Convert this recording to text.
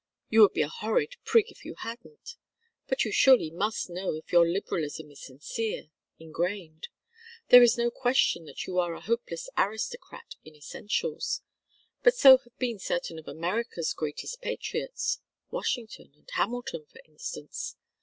You would be a horrid prig if you hadn't. But you surely must know if your Liberalism is sincere, ingrained. There is no question that you are a hopeless aristocrat in essentials. But so have been certain of America's greatest patriots Washington and Hamilton, for instance.